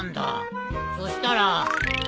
そしたら。